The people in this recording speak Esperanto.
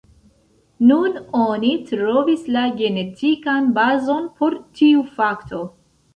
Nun oni trovis la genetikan bazon por tiu fakto.